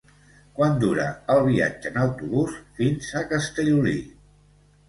Quant dura el viatge en autobús fins a Castellolí?